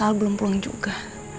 al belum pulang juga